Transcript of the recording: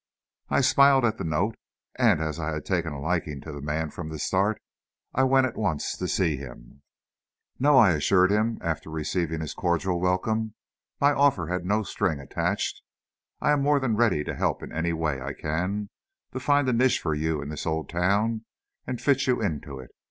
I smiled at the note, and as I had taken a liking to the man from the start, I went at once to see him. "No," I assured him, after receiving his cordial welcome, "my offer had no string attached. I'm more than ready to help in any way I can, to find a niche for you in this old town and fit you into it.